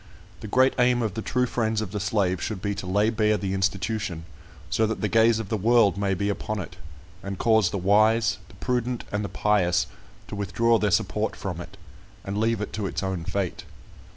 The great aim of the true friends of the slave should be to lay bare the institution, so that the gaze of the world may be upon it, and cause the wise, the prudent, and the pious to withdraw their support from it, and leave it to its own fate.